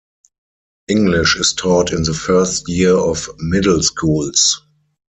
English is taught in the first year of middle schools.